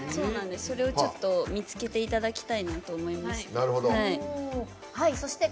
それを見つけていただきたいなと思いまして。